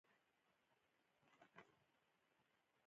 ز عبدالباری صدیقی د پکتیکا ولایت د محمدخیلو اوسیدونکی یم.